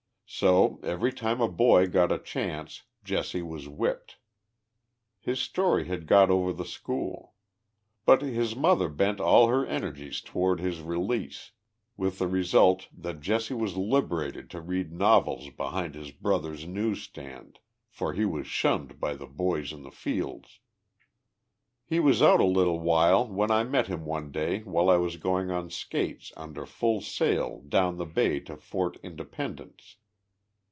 So every time a boy got a chance Jesse was whipped. His story had got over the school. But Ins mother bent all her energies toward his release, with the result that Jesse was liberated to read novels behind his brother's news stand, for he was shunned by the boys in the fields. He was out a little while when I met him one day while I was going on skates under full sail down the bay to Fort Inde pendence.